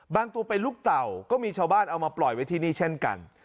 ตัวเป็นลูกเต่าก็มีชาวบ้านเอามาปล่อยไว้ที่นี่เช่นกัน